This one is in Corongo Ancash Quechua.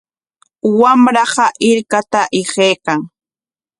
Wamraqa hirkata hiqaykan.